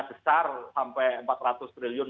besar sampai empat ratus triliun